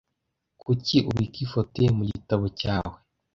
Kuki ubika ifoto ye mu gitabo cyawe?